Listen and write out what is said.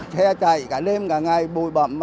xe chạy cả đêm cả ngày bụi bậm